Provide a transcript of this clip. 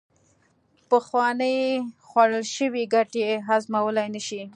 پخوانې خوړل شوې ګټې هضمولې نشي